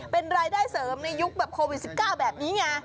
เป็นรายได้เสริมในยุคแบบโควิด๑๙แบบนี้ไง